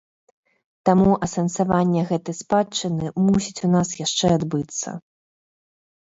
Таму асэнсаванне гэтай спадчыны мусіць у нас яшчэ адбыцца.